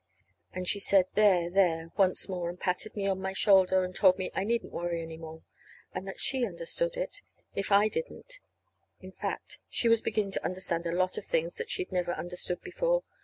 And she said there, there, once more, and patted me on my shoulder, and told me I needn't worry any more. And that she understood it, if I didn't. In fact, she was beginning to understand a lot of things that she'd never understood before.